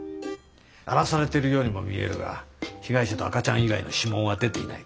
荒らされてるようにも見えるが被害者と赤ちゃん以外の指紋は出ていない。